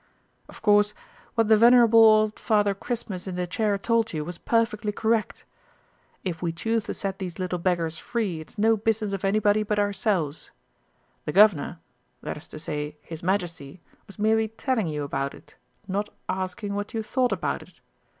Of course, what the venerable old Father Christmas in the chair told you was perfectly correct. If we choose to set these little beggars free, it's no business of anybody but ourselves. The Guv'nor that is to say, his Majesty was merely telling you about it not asking what you thought about it.